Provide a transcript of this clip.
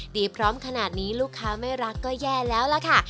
ดีพร้อมขนาดนี้ลูกค้าไม่รักก็แย่แล้วล่ะค่ะ